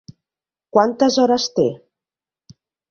Quantes hores té?